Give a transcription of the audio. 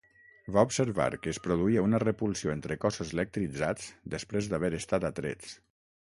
Va observar que es produïa una repulsió entre cossos electritzats després d'haver estat atrets.